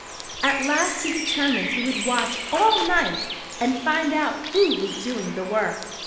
At last he determined he would watch all night and find out who was doing the work.